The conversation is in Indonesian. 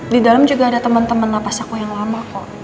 di dalam juga ada temen temen napas aku yang lama kok